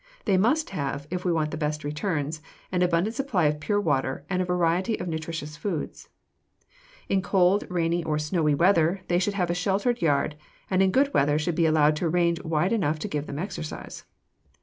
They must have, if we want the best returns, an abundant supply of pure water and a variety of nutritious foods. In cold, rainy, or snowy weather they should have a sheltered yard, and in good weather should be allowed a range wide enough to give them exercise.